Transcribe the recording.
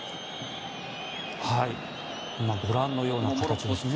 ご覧のような形ですね。